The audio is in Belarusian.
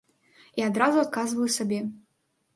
І адразу адказваю сабе.